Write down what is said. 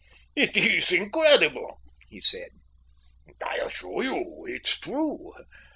"It is incredible," he said. "I assure you it's true.